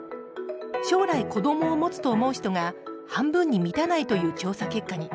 将来、子どもを持つと思う人が半分に満たないという調査結果に。